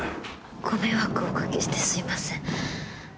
ご迷惑をお掛けしてすいません。